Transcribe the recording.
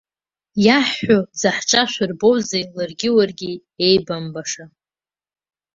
Иаҳҳәо заҳҿашәырбозеи, ларгьы уаргьы еибамбаша.